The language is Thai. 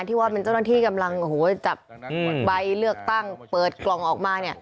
ที่ว่าเป็นเจ้าหน้าที่กำลังจับใบเลือกตั้งเปิดกล่องออกมาเนี่ย